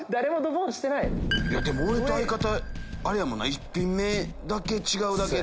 でも俺と相方あれやもんな１品目だけ違うだけで。